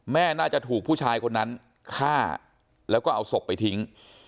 น่าจะถูกผู้ชายคนนั้นฆ่าแล้วก็เอาศพไปทิ้ง